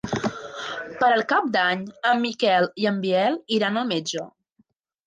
Per Cap d'Any en Miquel i en Biel iran al metge.